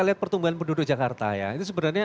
lihat pertumbuhan penduduk jakarta ya ini sebenarnya